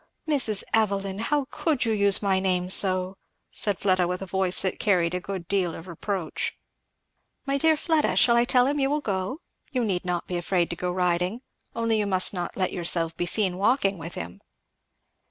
"Mrs. Evelyn, how could you use my name so!" said Fleda with a voice that carried a good deal of reproach. "My dear Fleda, shall I tell him you will go? You need not be afraid to go riding, only you must not let yourself be seen walking with him."